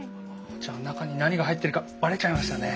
じゃあ中に何が入ってるかバレちゃいましたね。